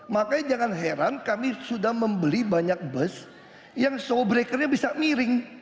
makanya jangan heran kami sudah membeli banyak bus yang show breakernya bisa miring